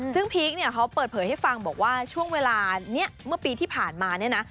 ซึ่งพีคเนี่ยเขาเปิดเผยให้ฟังบอกว่าช่วงเวลานี้เมื่อปีที่ผ่านมาเนี่ยนะ